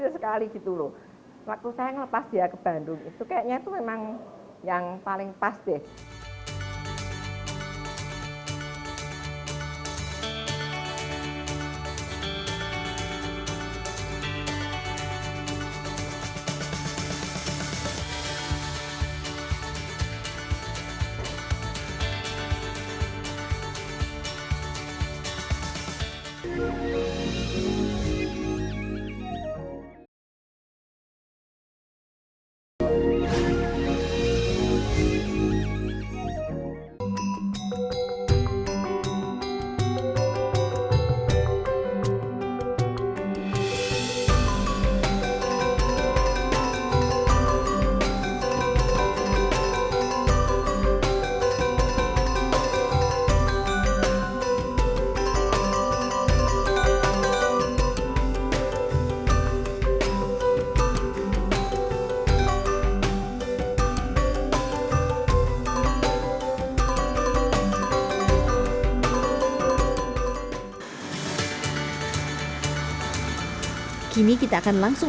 saya sampai kadang kadang bingung